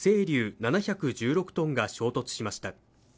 ７１６ｔが衝突しました。